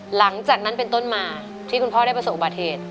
หลังจากนั้นเป็นต้นมาที่คุณพ่อได้ประสบอุบัติเหตุ